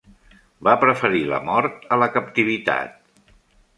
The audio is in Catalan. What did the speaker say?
Va preferir la mort a la captivitat.